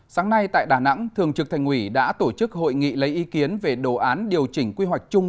sáng nay tại đà nẵng thường trực thành ủy đã tổ chức hội nghị lấy ý kiến về đồ án điều chỉnh quy hoạch chung